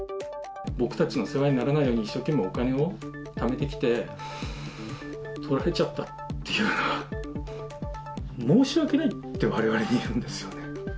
僕たちの世話にならないように、一生懸命、お金をためてきて、とられちゃったっていうのは、申し訳ないって、われわれに言うんですよね。